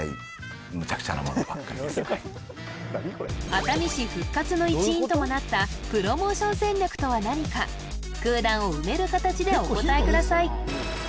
熱海市復活の一因ともなったプロモーション戦略とは何か空欄を埋める形でお答えください